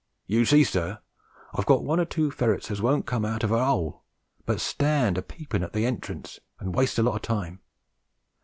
You see, sir, I've got one or two ferrets as won't come out of a 'ole, but stand a peeping at the h entrance and waste a lot of time.